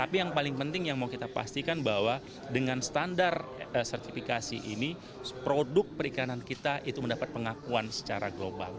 tapi yang paling penting yang mau kita pastikan bahwa dengan standar sertifikasi ini produk perikanan kita itu mendapat pengakuan secara global